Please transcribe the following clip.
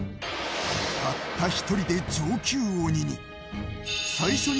たった１人で上級鬼に。